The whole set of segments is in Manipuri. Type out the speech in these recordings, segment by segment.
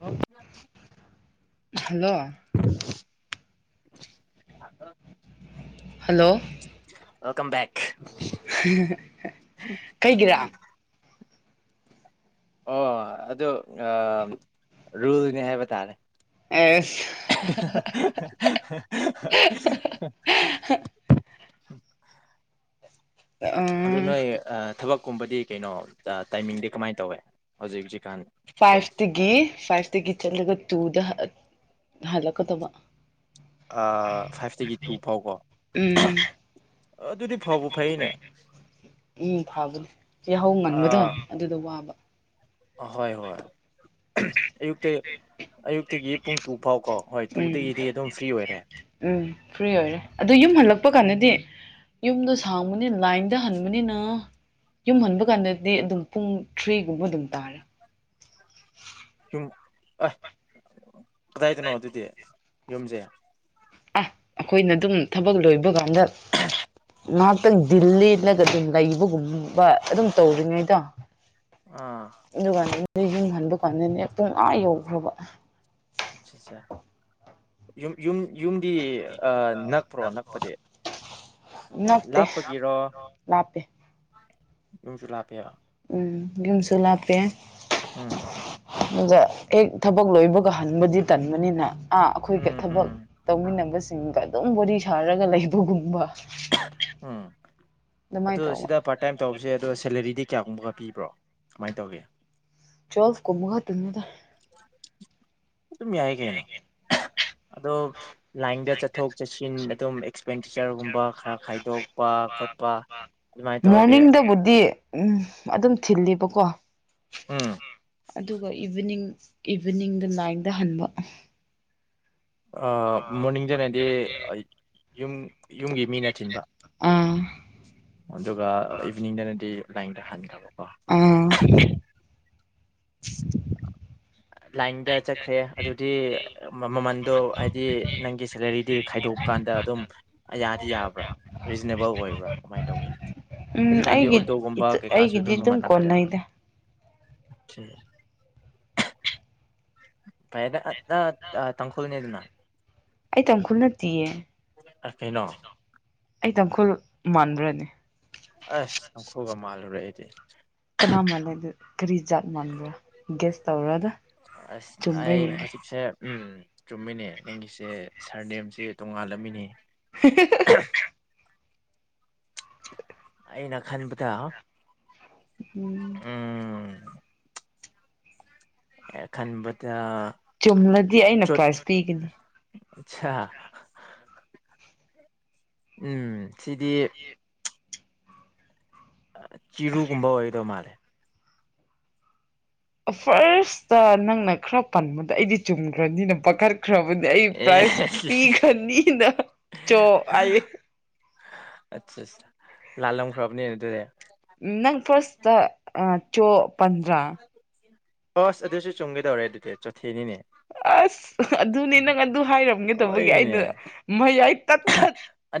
ꯑꯣ ꯍꯜꯂꯣ ꯑ ꯍꯜꯂꯣ ꯋꯦꯜꯀꯝ ꯕꯦꯛ ꯀꯩꯒꯤꯔꯥ ꯑꯣ ꯑꯗꯣ ꯔꯨꯜꯅꯤ ꯍꯥꯏꯕ ꯇꯥꯔꯦ ꯑ ꯍꯦꯍꯦꯍꯦ ꯎꯝ ꯑꯗꯨ ꯅꯣꯏ ꯊꯕꯛ ꯀꯨꯝꯕꯗꯤ ꯀꯩꯅꯣ ꯇꯥꯏꯃꯤꯡꯗꯤ ꯀꯃꯥꯏꯅ ꯇꯧꯋꯦ ꯍꯧꯖꯤꯛ ꯍꯧꯖꯤꯛ ꯐꯥꯏꯚ ꯇꯒꯤ ꯐꯥꯏꯚ ꯇꯒꯤ ꯆꯠꯂꯒ ꯇꯨꯗ ꯍꯂ ꯀꯗꯕ ꯐꯥꯏꯚꯇꯒꯤ ꯇꯨ ꯐꯥꯎꯕꯣ ꯎꯝ ꯎꯝ ꯐꯥꯕꯅꯦ ꯌꯥꯍꯧ ꯉꯟꯕꯗꯣ ꯑ ꯑꯗꯨꯗ ꯋꯥꯕ ꯍꯣꯏ ꯍꯣꯏ ꯑꯌꯨꯛꯇ ꯑꯌꯨꯛꯇꯒꯤ ꯄꯨꯡ ꯇꯨ ꯐꯥꯎꯀꯣ ꯍꯣꯏ ꯎꯝ ꯇꯨꯗꯒꯤꯗꯤ ꯑꯗꯨꯝ ꯐ꯭ꯔꯤ ꯑꯣꯏꯔꯦ ꯎꯝ ꯐ꯭ꯔꯤ ꯑꯣꯏꯔꯦ ꯑꯗꯨ ꯌꯨꯝ ꯍꯜꯂꯛꯄ ꯀꯥꯟꯗꯗꯤ ꯌꯨꯝꯗꯣ ꯁꯥꯡꯕꯅꯤ ꯂꯥꯏꯟꯗ ꯍꯟꯕꯅꯤꯅ ꯌꯨꯝ ꯍꯟꯕ ꯀꯥꯟꯗꯗꯤ ꯑꯗꯨꯝ ꯄꯨꯡ ꯊ꯭ꯔꯤꯒꯨꯝꯕ ꯑꯗꯨꯝ ꯇꯥꯔꯦ ꯊꯨꯝ ꯑ ꯀꯗꯥꯥꯏꯗꯅꯣ ꯑꯗꯨꯗꯤꯦ ꯌꯣꯨꯝꯖꯩ ꯑꯁ ꯑꯩꯈꯣꯏꯅ ꯑꯗꯨꯝ ꯊꯕꯛ ꯂꯣꯏꯕ ꯀꯥꯟꯗ ꯉꯥꯏꯍꯥꯛꯇꯪ ꯗꯤꯜ ꯂꯦꯜꯂꯒ ꯑꯗꯨꯝ ꯂꯩꯕꯒꯨꯝꯕ ꯑꯗꯨꯝ ꯇꯧꯔꯤꯉꯩꯗꯣ ꯑꯥ ꯏ ꯋꯥ ꯑ ꯌꯨꯝ ꯍꯟꯕ ꯀꯥꯟꯗꯅꯦ ꯄꯨꯡ ꯑꯥ ꯌꯧꯈ꯭ꯔꯕ ꯑꯆꯥꯆꯥꯆꯥ ꯌꯨꯝ ꯌꯨꯝ ꯌꯨꯝꯗꯤ ꯦ ꯅꯛꯄ꯭ꯔꯣ ꯅꯛꯄꯗꯤ ꯂꯥꯞꯄꯒꯤꯔꯣ ꯂꯄꯦ ꯌꯨꯝꯁꯨ ꯂꯥꯛꯞꯄꯦꯌ ꯌꯒꯨꯝꯁꯣꯂꯄꯦ ꯎꯝ ꯑꯗꯨꯗ ꯍꯦꯛ ꯊꯕꯛ ꯂꯣꯏꯕꯒ ꯍꯟꯕꯗꯤ ꯇꯟꯕꯅꯤꯅ ꯑꯩꯈꯣꯏꯒ ꯎꯝ ꯎꯝ ꯊꯕꯛ ꯇꯧꯃꯤꯟꯅꯕꯁꯦ ꯁꯤꯡꯒ ꯑꯗꯨꯝ ꯕꯣ ꯁꯥꯔꯒ ꯂꯩꯕꯒꯨꯝꯕ ꯎꯝ ꯑꯗꯨꯃꯥꯏꯅ ꯑꯗ ꯇꯧꯕ ꯁꯤꯗ ꯄꯥꯔꯠ ꯇꯥꯏꯝ ꯇꯧꯕꯁꯦ ꯑꯗꯣ ꯁꯦꯂꯔꯤꯗꯤ ꯀꯌꯥꯒꯨꯝꯕꯒ ꯄꯤꯕ꯭ꯔꯣ ꯀꯃꯥꯏꯅ ꯇꯧꯒꯦ ꯆꯐ ꯀꯃꯒ ꯇꯃꯤꯗ ꯑꯗꯨꯝ ꯌꯥꯏ ꯀꯩꯅꯣ ꯑꯗꯣ [inaudible] ꯂꯥꯏꯟꯗ ꯆꯠꯊꯣꯛ ꯆꯠꯁꯤꯟ ꯑꯗꯨꯝ ꯑꯦꯛꯁꯄꯦꯟꯗꯤꯆꯔꯒꯨꯝꯕ ꯈꯔ ꯈꯥꯏꯗꯣꯛꯄ ꯐꯣꯠꯄ ꯃꯣꯔꯅꯤꯡꯗ ꯕꯨꯗꯤꯌꯦ ꯎꯝ ꯑꯗꯨꯝ ꯊꯤꯜꯂꯕꯀꯣ ꯎꯝ ꯑꯗꯨꯒ ꯏꯚꯤꯅꯤꯡ ꯏꯚꯤꯅꯤꯡꯗ ꯅꯥꯏꯟꯗ ꯍꯟꯕ ꯑ ꯃꯣꯔꯅꯤꯡꯗꯅ ꯍꯥꯏꯗꯤ ꯑꯩ ꯌ ꯌꯨꯝꯒꯤ ꯃꯤꯅ ꯊꯤꯟꯕ ꯑꯥ ꯑꯗꯨꯒ ꯏꯚꯅꯤꯡꯗꯅꯗꯤ ꯂꯥ ꯏꯟꯗ ꯍꯥꯟꯈ꯭ꯔꯕꯣ ꯑꯪ [inaudible] ꯂꯥꯏꯟꯗ ꯆꯠꯈ꯭ꯔꯦ ꯑꯗꯨꯗꯤ ꯃꯃꯟꯗꯣ ꯍꯥꯏꯗꯤ ꯅꯪꯒꯤ ꯁꯦꯂꯔꯤꯗꯤ ꯈꯥꯏꯗꯣꯛꯑꯀꯥꯟꯗ ꯑꯗꯨꯝ ꯑ ꯌꯥꯗꯤ ꯌꯥꯕ꯭ꯔꯥ ꯔꯤꯖꯅꯦꯕꯜ ꯑꯣꯏꯕ꯭ꯔꯥ ꯀꯃꯥꯏꯅ ꯇꯧꯋꯤ ꯎꯝ ꯍꯧꯖꯤꯛꯀꯥꯟꯗꯤ ꯑꯩꯒꯤ ꯑꯣꯇꯣꯒꯨꯝꯕ ꯀꯩꯀꯥꯁꯨ ꯑꯩꯒꯤꯗꯤ ꯑꯗꯨꯝ ꯃꯃꯜ ꯇꯥꯡꯈꯠꯂꯛꯑꯦ ꯀꯣꯟꯅꯩꯗ ꯑꯣ ꯀꯦ ꯐꯩꯗ ꯅꯪ ꯑ ꯇꯪꯈꯨꯜꯅꯦꯗꯅ ꯑꯩ ꯇꯥꯡꯈꯨꯜ ꯅꯠꯇꯤꯌꯦ ꯑ ꯀꯩꯅꯣ ꯑꯩ ꯇꯥꯡꯈꯨꯜ ꯃꯥꯟꯕ꯭ꯔꯅꯦ ꯑꯁ ꯇꯥꯡꯈꯨꯜꯒ ꯃꯥꯜꯂꯨꯔꯦ ꯑꯩꯗꯤ ꯀꯅꯥ ꯃꯟꯂꯗꯤ ꯀꯔꯤ ꯖꯥꯠ ꯃꯥꯟꯕ꯭ꯔ ꯒꯦꯁ ꯇꯧꯔꯒ ꯑꯁ ꯑꯩ ꯍꯧꯖꯤꯛꯁꯦ ꯎꯝ ꯆꯨꯝꯃꯤꯅꯦ ꯅꯪꯒꯤꯁꯦ ꯁꯔꯅꯦꯝꯁꯦ ꯇꯣꯉꯥꯜꯂꯝꯃꯤꯅꯦ [unintelligible] [inaudible] ꯑꯩꯅ ꯈꯟꯕꯗ ꯎꯝ ꯎꯝ ꯑꯦ ꯈꯟꯕ ꯆꯨꯝꯂꯗꯤ ꯑꯩꯅ ꯄ꯭ꯔꯥꯏꯖ ꯄꯤꯒꯅꯤ ꯑꯆꯥ ꯎꯝ ꯁꯤꯗꯤ ꯆꯤꯔꯨꯒꯨꯝꯕ ꯑꯣꯏꯒꯗꯧ ꯃꯥꯜꯂꯦ ꯐꯥꯔꯁꯇ ꯅꯪꯅ ꯈꯔ ꯄꯟꯕꯗ ꯑꯩꯗꯤ ꯆꯨꯝꯈ꯭ꯔꯕꯅꯤꯅ ꯄꯥꯈꯠ ꯈ꯭ꯔꯕꯅꯤ ꯑꯩ ꯑꯦ ꯄ꯭ꯔꯥꯏꯖ ꯑꯠꯆꯥ ꯄꯤꯈ꯭ꯔꯅꯤꯅ ꯆꯣ ꯍꯥꯏꯌꯦ ꯑꯆꯥ ꯆꯥ ꯑ ꯂꯥꯜ ꯂꯝ ꯈꯔꯕꯅꯤꯅꯦ ꯑꯗ ꯎꯡ ꯅꯪ ꯐꯥꯁꯇ ꯑ ꯆꯣ ꯄꯟꯗ꯭ꯔꯥ ꯑꯁ ꯑꯗꯨꯁꯨ ꯆꯨꯝꯒꯦꯗꯧꯔꯦ ꯑꯗꯨꯗꯤ ꯆꯣꯠꯊꯦ ꯑꯁ ꯑꯗꯨꯅꯦ ꯅꯪ ꯑꯗꯨ ꯍꯥꯏꯔꯝꯒꯗꯧꯕꯒꯤ ꯍꯣꯏꯅꯦ ꯑꯩꯅ ꯃꯌꯥꯏ ꯇꯠ ꯊꯠ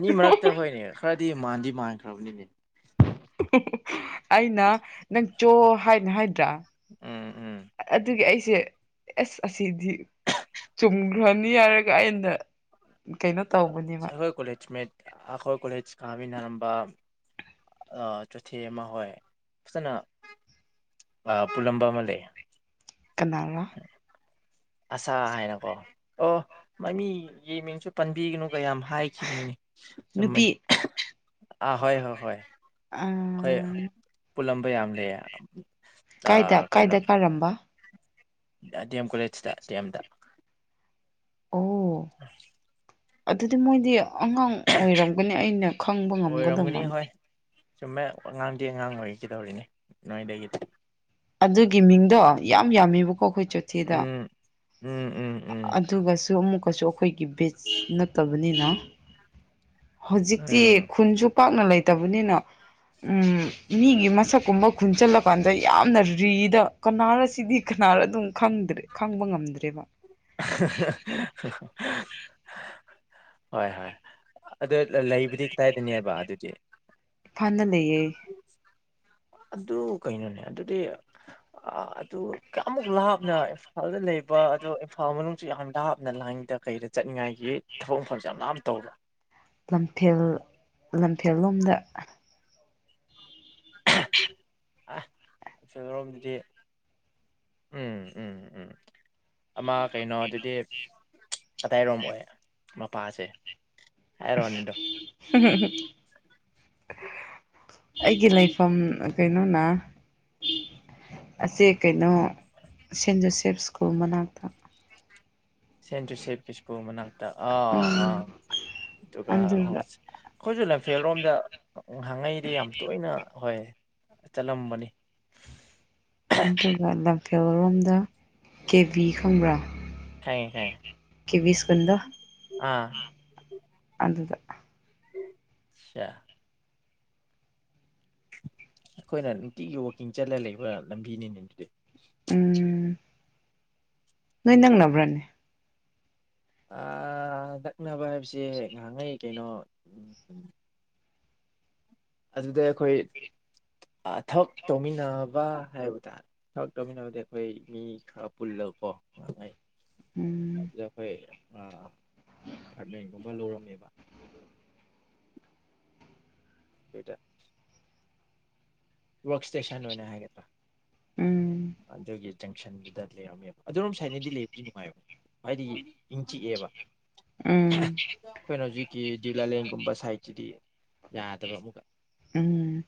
[unintelligible] ꯈ꯭ꯔꯕꯅꯤꯅꯦ [unintelligible] ꯑꯩꯅ ꯅꯪ ꯆꯣ ꯍꯥꯏꯅ ꯍꯥꯏꯕꯗ ꯑꯨꯝ ꯎꯝ ꯎꯝ ꯑꯗꯨꯒꯤ ꯑꯩ ꯑꯩꯁꯦ ꯑꯁ ꯑꯁꯤꯗꯤ ꯆꯨꯝꯈ꯭ꯔꯅꯤ ꯍꯥꯏꯔꯒ ꯑꯩꯅ ꯀꯩꯅꯣ ꯇꯧꯕꯅꯦꯕ ꯑꯈꯣꯏ ꯀꯣꯂꯦꯖ ꯃꯦꯠ ꯑꯈꯣꯏ ꯀꯣꯂꯦꯖ ꯀꯥꯃꯤꯟꯅꯥꯔꯝꯕ ꯆꯣꯊꯦ ꯑꯃ ꯍꯣꯏ ꯐꯖꯅ ꯄꯨꯜꯂꯝꯕ ꯑꯃ ꯂꯩ ꯀꯅꯥꯒꯥ ꯑꯁꯥ ꯍꯥꯏꯅꯀꯣ ꯑꯣ ꯃꯃꯤ ꯌꯦ ꯃꯤꯡꯁꯨ ꯄꯟꯕꯤꯒꯅꯨ ꯀꯌꯥꯝ ꯍꯥꯏꯈꯤꯕꯅꯤꯅꯦ ꯅꯨꯄꯤ ꯆꯨꯝꯝꯕꯅꯦ ꯑꯥ ꯍꯣꯏ ꯍꯣꯏ ꯍꯣꯏ ꯑ ꯑꯩꯈꯣꯏ ꯄꯨꯜꯂꯝꯕ ꯌꯥꯝ ꯂꯩ ꯀꯥꯏꯗ ꯀꯥꯏꯗ ꯀꯩꯅꯣꯅꯤ ꯀꯥꯔꯝꯕ ꯗꯤ ꯑꯦꯝ ꯀꯣꯂꯦꯖꯇ ꯗꯤ ꯑꯦꯝꯗ ꯑꯣ ꯎ [unintelligible] ꯑꯗꯨꯗꯤ ꯃꯣꯏꯗꯤ ꯑꯉꯥꯡ ꯑꯣꯏꯔꯝꯒꯅꯤ ꯑꯩꯅ ꯈꯪꯕ ꯉꯝꯒꯗ ꯑꯣꯏꯔꯝꯒꯅꯤ ꯃꯥꯟꯗꯦ ꯍꯣꯏ ꯆꯨꯝꯃꯦ ꯑꯉꯥꯡꯗꯤ ꯑꯉꯥꯡ ꯑꯣꯏꯒꯗꯧꯔꯤꯅꯦ ꯅꯣꯏꯗꯒꯤꯗꯤ ꯑꯗꯨꯒꯤ ꯃꯤꯡꯗꯣ ꯌꯥꯝ ꯌꯥꯝꯃꯦꯕ ꯑꯩꯈꯣꯏ ꯆꯣꯊꯦꯗꯣ ꯎꯝ ꯎꯝ ꯎꯝ ꯎꯝ ꯑꯩꯈꯣꯏꯒꯤ ꯕꯦꯠꯁ ꯅꯠꯇꯕꯅꯤꯅ ꯍꯧ ꯖꯤꯛꯇꯤ ꯎꯝ ꯈꯨꯟꯁꯨ ꯄꯥꯛꯅ ꯂꯩꯇꯕꯅꯤꯅ ꯎ ꯃꯤꯒꯤ ꯃꯁꯛꯀꯨꯝꯕ ꯈꯨꯟꯁꯤꯜꯂꯀꯥꯟꯗ ꯌꯥꯝꯅ ꯔꯤꯗ ꯀꯅꯥꯔꯁꯤꯗꯤ ꯀꯅꯥꯔ ꯑꯗꯨꯝ ꯈꯪꯗ꯭ꯔꯦ ꯈꯪꯕ ꯉꯝꯗ꯭ꯔꯦꯕ [unintelligible] ꯍꯣꯏ ꯍꯣꯏ ꯑꯗ ꯂꯩꯕꯨꯗꯤ ꯀꯗꯥꯏꯗꯅꯦꯕ ꯑꯗꯨꯗꯤ ꯏꯝꯐꯥꯜꯗ ꯂꯩꯌꯦ ꯑꯗꯨ ꯀꯩꯅꯣꯅꯦ ꯑꯗꯨꯗꯤ ꯑꯗꯨ ꯀꯌꯥꯃꯨꯛ ꯂꯥꯞꯅ ꯏꯝꯐꯥꯜꯗ ꯂꯩꯕ ꯑꯗꯨꯣ ꯏꯝꯐꯥꯜ ꯃꯅꯨꯡ ꯌꯥꯝ ꯂꯥꯞꯅ ꯂꯥꯏꯟꯗ ꯀꯩꯗ ꯆꯠꯅꯤꯡꯉꯥꯏꯒꯤ ꯊꯕꯛ ꯃꯐꯝꯁꯦ ꯌꯥꯝ ꯂꯥꯞ ꯇꯧꯕ ꯂꯝꯐꯦꯜ ꯂꯝꯐꯦꯜꯂꯣꯝꯗ ꯎꯝ ꯎꯝ ꯎꯝ ꯑꯃ ꯀꯩꯅꯣ ꯑꯗꯨꯗꯤ ꯑꯗꯥꯏꯔꯣꯝ ꯑꯣꯏ ꯃꯄꯥꯁꯦ ꯍꯥꯏꯔꯣꯅꯦ ꯑꯗꯨꯝ [unintelligible] ꯑꯩꯒꯤ ꯂꯩ ꯝ ꯀꯩꯅꯣꯅ [unintelligible] ꯑꯁꯤ ꯀꯩꯅꯣ ꯁꯦꯟ ꯖꯣꯁꯦꯞ ꯁ꯭ꯀꯨꯜ ꯃꯅꯥꯛꯇ ꯁꯦꯟ ꯖꯣꯁꯦꯐ ꯏꯁꯀꯨꯜ ꯃꯅꯥꯛꯇ ꯑꯥ ꯑꯥ ꯎꯝ ꯑꯗꯨꯒ ꯍꯣꯏ ꯑꯩꯈꯣꯏꯁꯨ ꯂꯝꯐꯦꯜꯔꯣꯝꯗꯍꯥꯡꯉꯛꯏꯗꯤ ꯌꯥꯝ ꯇꯣꯏꯅ ꯍꯣꯏ ꯆꯠꯂꯝꯕꯅꯤ ꯑꯗꯨꯒ ꯂꯝꯐꯦꯜꯔꯣꯝꯗ ꯀꯦꯕꯤ ꯈꯪꯕ꯭ꯔꯥ ꯈꯪꯉꯦ ꯈꯪꯉꯦ ꯀꯦꯕꯤ ꯏꯁꯀꯨꯜꯗꯨ ꯑꯥ ꯗꯨꯗ ꯆꯥ ꯑꯈꯣꯏꯅ ꯅꯨꯡꯇꯤꯒꯤ ꯋꯛꯀꯤꯡ ꯆꯠꯂ ꯂꯩꯕ ꯂꯝꯕꯤꯅꯤꯅꯦ ꯑꯗꯨꯗꯤ ꯎꯝ ꯅꯣꯏ ꯅꯛꯅꯕ꯭ꯔꯅꯦ ꯑꯥꯗ ꯅꯛꯅꯕ ꯍꯥꯏꯕꯁꯦ ꯉꯍꯥꯟꯒꯩ ꯀꯩꯅꯣ ꯑꯗꯨꯗ ꯑꯩꯈꯣꯏ ꯑ ꯊꯕꯛ ꯇꯧꯃꯤꯟꯅꯕ ꯍꯥꯏꯕ ꯇꯥꯔꯦ ꯊꯕꯛ ꯇꯧꯃꯤꯟꯅꯕꯗ ꯑꯩꯈꯣꯏ ꯃꯤ ꯈꯔ ꯄꯨꯜꯂꯒꯀꯣ ꯑꯗꯨꯉꯩ ꯎꯝ ꯑꯗꯨꯗ ꯑꯈꯣꯏ ꯑ ꯄꯥꯔꯠꯃꯦꯟꯒꯨꯝꯕ ꯂꯧꯔꯝꯃꯦꯕ [unintelligible] ꯋꯛ ꯏꯁꯇꯦꯁꯟ ꯑꯣꯏꯅ ꯍꯥꯏꯒꯗ꯭ꯔ ꯎꯝ ꯑꯗꯨꯗꯒꯤ ꯖꯪꯁꯟꯗꯨꯗ ꯂꯩꯔꯝꯃꯦꯕ ꯑꯗꯨꯔꯣꯝ ꯁꯥꯏꯠꯅꯗꯤ ꯂꯩꯕꯨꯗꯤ ꯅꯨꯡꯉꯥꯏꯕꯅꯦ ꯍꯥꯏꯗꯤ ꯏꯪ ꯆꯤꯛꯑꯦꯕ ꯎꯝ ꯑꯩꯈꯣꯏꯅ ꯍꯧꯖꯤꯛꯀꯤ ꯗꯨꯂꯥꯂꯦꯟꯒꯨꯝꯕ ꯁꯥꯏꯠꯇꯨꯗꯤ ꯌꯥꯗꯕ ꯑꯃꯨꯛꯀ ꯎꯝ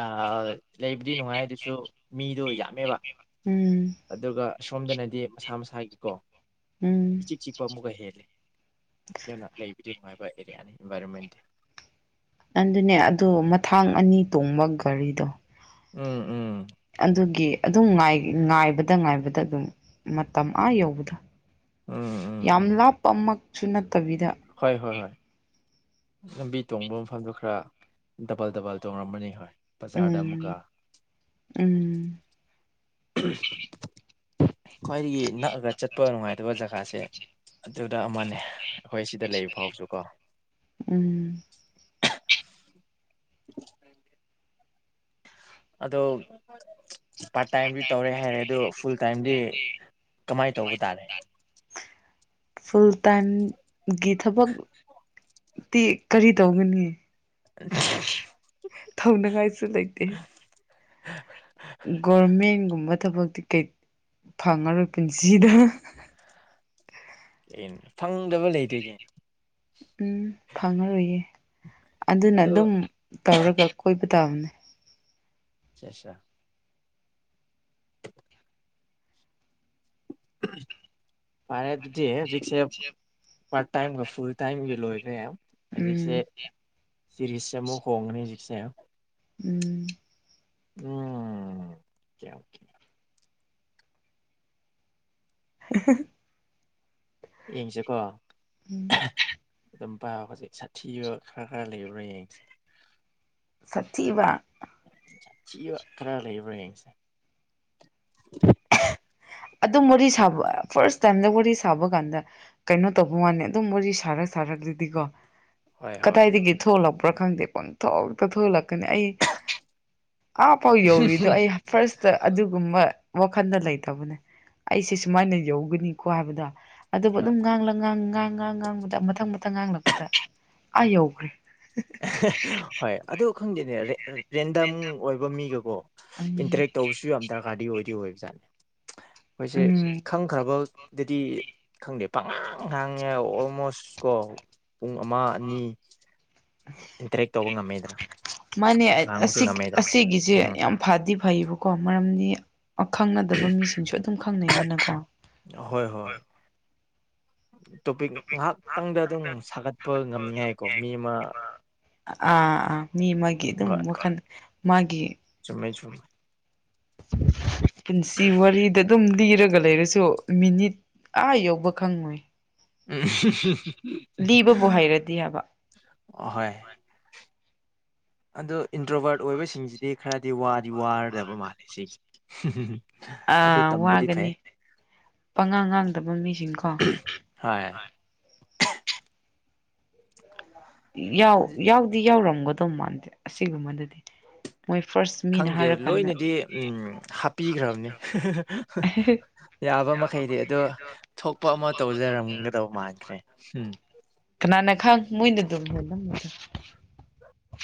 ꯑꯥ ꯂꯩꯕꯗꯤ ꯅꯨꯡꯉꯥꯏ ꯑꯗꯨꯁꯨ ꯃꯤꯗꯣ ꯌꯥꯝ ꯃꯦꯕ ꯎꯝ ꯑꯗꯨꯒ ꯑꯁꯣꯝꯗꯅꯗꯤ ꯃꯁꯥ ꯃꯁꯥꯒꯤꯀꯣ ꯎꯝ ꯏꯆꯤꯛ ꯆꯤꯛꯄ ꯑꯃꯨꯛꯀ ꯍꯦꯜꯂꯦ ꯑꯗꯨꯅ ꯂꯩꯕꯗꯤ ꯅꯨꯡꯉꯥꯏꯕ ꯑꯦꯔꯤꯌꯥꯅꯤ ꯏꯟꯚꯥꯏꯔꯣꯟꯃꯦꯟꯇꯤ ꯅꯪꯗꯨꯅꯦ ꯑꯗꯨ ꯃꯊꯥꯡ ꯑꯅꯤ ꯇꯣꯡꯕ ꯒꯥꯔꯤꯗꯣ ꯎꯝ ꯎꯝ ꯑꯗꯨꯒꯤ ꯑꯗꯨꯝ ꯉꯥꯏ ꯉꯥꯏꯕꯗ ꯉꯥꯏꯕꯗ ꯑꯗꯨꯝ ꯃꯇꯝ ꯑꯥ ꯌꯧꯕꯗꯣ ꯎꯝ ꯎꯝ ꯌꯥꯝ ꯎꯝ ꯂꯥꯞꯄꯃꯛ ꯁꯨꯅꯠ ꯇꯕꯤꯗ ꯍꯣꯏ ꯍꯣꯏ ꯍꯣꯏ ꯂꯝꯕꯤ ꯇꯣꯡꯕ ꯃꯐꯝꯗꯣ ꯈꯔ ꯗꯕꯜ ꯗꯕꯜ ꯇꯣꯡꯔꯝꯒꯅꯤ ꯍꯣꯏ ꯕꯖꯥꯔꯗ ꯑꯃꯨꯛꯀ ꯎꯝ ꯎꯝ [unintelligible] ꯈ꯭ꯋꯥꯏꯗꯒꯤ ꯅꯛꯑꯒ ꯆꯠꯄ ꯅꯨꯡꯉꯥꯏꯇꯕ ꯖꯒꯥꯁꯦ ꯑꯗꯨꯗ ꯑꯃꯅꯦ ꯑꯈꯣꯏ ꯁꯤꯗ ꯂꯩ ꯐꯥꯎꯁꯨꯀꯣ ꯎꯝ [inaudible] ꯑꯗꯣ ꯄꯥꯔꯠ ꯇꯥꯏꯝꯗꯤ ꯇꯧꯔꯦ ꯍꯥꯏꯔꯦ ꯑꯗꯨ ꯐꯨꯜ ꯇꯥꯏꯝꯗꯤ ꯀꯃꯥꯏꯅ ꯇꯧꯕ ꯇꯥꯔꯦ ꯐꯨꯜ ꯇꯥꯏꯝꯒꯤ ꯊꯕꯛꯇꯤ ꯀꯔꯤ ꯇꯧꯒꯅꯤ ꯇꯧꯅꯤꯡꯉꯥꯏꯁꯨ ꯂꯩꯇꯦ [unintelligible] ꯒꯚꯔꯃꯦꯟꯒꯨꯝꯕ ꯊꯕꯛꯇꯤ ꯀꯩ ꯐꯪꯉꯔꯣꯏ ꯄꯨꯟꯁꯤꯗ ꯑꯦ ꯐꯪ ꯎꯝ ꯐꯪꯉꯔꯣꯏꯌꯦ ꯑꯗꯨꯅ ꯑꯗꯨ ꯑꯗꯨꯝ ꯇꯧꯔꯒ ꯀꯣꯏꯕ ꯇꯅꯤ ꯑꯆꯥ ꯑꯆꯥ ꯐꯔꯦ ꯁꯦ ꯍꯧꯖꯤꯛꯁꯦ ꯄꯥꯔꯠ ꯇꯥꯏꯝꯒ ꯐꯨꯜ ꯇꯥꯏꯝꯒ ꯂꯣꯏꯈ꯭ꯔꯦ ꯎꯝ ꯁꯔꯤꯁꯦ ꯑꯃꯨꯛ ꯍꯣꯡꯉꯅꯤ ꯍꯧꯖꯤꯛꯁꯦ ꯎꯝ ꯎꯝ ꯑꯣꯀꯦ ꯑꯣꯀꯦ [unintelligible] ꯌꯦꯡꯁꯦꯀꯣ ꯎꯝ [unintelligible] ꯑꯗꯨꯝ ꯄꯥꯏꯌꯣ ꯍꯧꯖꯤꯛ ꯁꯥꯊꯤꯕ ꯈꯔ ꯈꯔ ꯂꯩꯕ꯭ꯔ ꯌꯦꯡꯁꯦ ꯁꯥꯊꯤꯕ ꯊꯤꯕ ꯈꯔ ꯂꯩꯕ꯭ꯔ ꯌꯦꯡꯁꯦ ꯑꯗꯨꯝ ꯋꯥꯔꯤ ꯁꯥꯕ ꯐꯥꯔꯁ ꯇꯥꯏꯝꯗ ꯋꯥꯔꯤ ꯁꯥꯕ ꯀꯥꯟꯗ ꯀꯩꯅꯣ ꯇꯧꯕ ꯋꯥꯅꯦ ꯑꯗꯨꯝ ꯋꯥꯔꯤ ꯁꯥꯔ ꯁꯥꯔꯛꯂꯗꯤꯀꯣ ꯍꯣꯏ ꯍꯣꯏ ꯀꯗꯥꯏꯗꯒꯤ ꯊꯣꯛꯂꯕ ꯈꯪꯗꯦ ꯄꯪ ꯊꯣꯛꯇ ꯊꯣꯛ ꯂꯛ ꯑꯩ ꯑꯥ ꯄꯥꯎ ꯌꯧꯔꯤꯗꯣ ꯑꯩ ꯐꯥꯔꯁꯇ ꯑꯗꯨꯒꯨꯝꯕ ꯋꯥꯈꯟꯗ ꯂꯩꯇꯕꯅꯦ ꯑꯩꯁꯦ ꯁꯨꯃꯥꯏꯅ ꯌꯧꯒꯅꯤꯀꯣ ꯍꯥꯏꯕꯗꯣ ꯑꯗꯨꯕꯨ ꯑ ꯑꯗꯨꯝ ꯉꯥꯡꯂꯥꯡ ꯉꯥꯡ ꯉꯥꯡ ꯉꯥꯡꯕꯗ ꯃꯊꯪ ꯃꯊꯪ ꯉꯥꯡꯂꯛꯄꯗ ꯑꯥ ꯌꯧꯈ꯭ꯔꯦ ꯍꯣꯏ ꯑꯗꯨ ꯈꯪꯗꯦꯅꯦ ꯔꯦꯟꯗꯝ ꯑꯣꯏꯕ ꯃꯤꯒꯀꯣ ꯎꯝ ꯏꯟꯇꯔꯦꯛ ꯇꯧꯕꯁꯨ ꯌꯥꯝ ꯗꯔꯀꯥꯔꯗꯤ ꯑꯣꯏꯗꯤ ꯑꯣꯏ [unintelligible] ꯑꯩꯈꯣꯏꯁꯦ ꯎꯝ ꯈꯪꯈ꯭ꯔꯕ ꯗꯗꯤ ꯈꯪꯗꯦ ꯄꯪꯉꯥꯡ ꯄꯪꯉꯥꯡꯉꯦ ꯑꯣꯜꯃꯣꯁ ꯀꯣ ꯄꯨꯡ ꯑꯃ ꯑꯅꯤ ꯏꯟꯇꯔꯦꯛ ꯇꯧꯕ ꯉꯝꯃꯦꯗꯅ ꯃꯥꯅꯦ ꯉꯥꯡꯕꯁꯨ ꯉꯝꯃꯦꯗꯅ ꯑꯁꯤꯒꯤꯁꯦ ꯎꯝ ꯌꯥꯝ ꯐꯗ ꯗꯤ ꯐꯩꯌꯦꯕꯀꯣ ꯃꯔꯝꯗꯤ ꯈꯪꯅꯗꯕ ꯃꯤꯁꯤꯡꯁꯨ ꯑꯗꯨꯝ ꯈꯪꯅꯩꯗꯅꯀꯣ ꯍꯣꯏ ꯎꯝ [unintelligible] ꯇꯣꯄꯤꯛ ꯉꯥꯏꯍꯥꯛꯇꯪꯗ ꯑꯗꯨꯝ ꯁꯥꯒꯠꯄ ꯉꯝꯅꯤꯉꯥꯏꯀꯣ ꯃꯤ ꯑꯃ ꯑꯥ ꯑꯥ ꯃꯤ ꯑꯃꯒꯤ ꯑꯗꯨꯝ ꯍꯣꯏ ꯋꯥꯈꯜ ꯃꯥꯒꯤ ꯆꯨꯝꯃꯦ ꯆꯨꯝ [inaudible] [inaudible] ꯄꯨꯟꯁꯤ ꯋꯥꯔꯤꯗ ꯑꯗꯨꯝ ꯂꯤꯔꯒ ꯂꯩꯔꯁꯨ ꯃꯤꯅꯤꯠ ꯑꯥ ꯌꯧꯕ ꯈꯪꯉꯣꯏ ꯂꯤꯕꯕꯨ ꯍꯩꯔꯗꯤ ꯍꯥꯏꯕ ꯍꯣꯏ ꯑꯗꯨ ꯏꯟꯇ꯭ꯔꯣꯕꯔꯠ ꯑꯣꯏꯕꯁꯤꯡꯁꯤꯗꯤ ꯈꯔꯗꯤ ꯋꯥꯗꯤ ꯋꯥꯔꯗꯕ ꯃꯥꯜꯂꯦ ꯁꯤꯒꯤꯁꯦ ꯁꯤ ꯍ [unintelligible] ꯑꯥ ꯋꯥꯒꯅꯤ ꯄꯉꯥꯡ ꯉꯥꯡꯗꯕ ꯃꯤꯁꯤꯡꯈꯣ ꯍꯣꯏ ꯌꯥꯎ ꯌꯥꯎꯗꯤ ꯌꯥꯎꯔꯝ ꯒꯗꯧ ꯃꯥꯟꯗꯦ ꯑꯁꯤꯒꯨꯝꯕꯗꯗꯤ ꯃꯣꯏ ꯐꯥꯔꯁ ꯃꯤꯅ ꯈꯪꯗꯦ ꯍꯥꯏꯔꯀꯥꯟꯗ ꯂꯣꯏꯅꯗꯤ ꯎꯝ ꯍꯥꯞꯄꯤꯈ꯭ꯔꯕꯅꯤ ꯌꯥꯕ ꯃꯈꯩꯗꯤ ꯑꯗꯣ ꯊꯣꯛꯄ ꯑꯃ ꯇꯧꯖꯔꯝꯒꯗꯕ ꯃꯥꯟꯈ꯭ꯔꯦ ꯎꯝ ꯠꯇ [unintelligible]